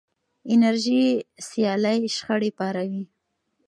انرژي سیالۍ شخړې پاروي.